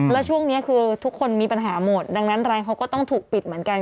แล้วช่วงนี้คือทุกคนมีปัญหาหมดดังนั้นรายเขาก็ต้องถูกปิดเหมือนกัน